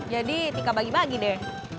jadi tika bagi bagi deh